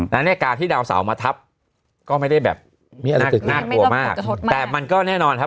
และเนื้อการที่ดาวเสาร์มาทับก็ไม่ได้แบบน่ากลัวมากแต่มันก็แน่นอนครับ